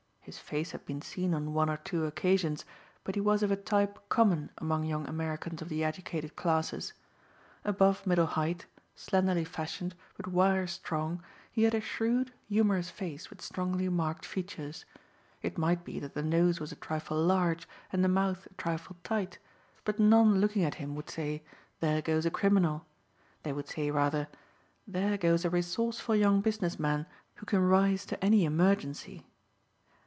His face had been seen on one or two occasions, but he was of a type common among young Americans of the educated classes. Above middle height, slenderly fashioned but wire strong, he had a shrewd, humorous face with strongly marked features. It might be that the nose was a trifle large and the mouth a trifle tight, but none looking at him would say, "There goes a criminal." They would say, rather, "There goes a resourceful young business man who can rise to any emergency."